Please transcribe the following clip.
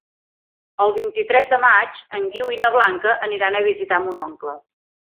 El vint-i-tres de maig en Guiu i na Blanca aniran a visitar mon oncle.